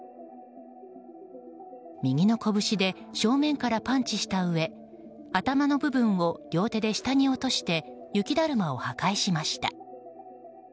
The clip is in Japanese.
右のこぶしで正面からパンチしたうえ頭の部分を両手で下に落として雪だるまを破壊しました。